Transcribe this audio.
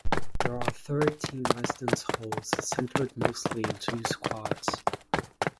There are thirteen residence halls, centered mostly in two quads.